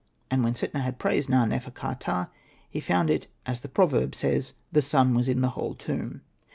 And when Setna had praised Na.nefer.ka.ptah, he found it as the proverb says, *' The sun was in the whole tomb."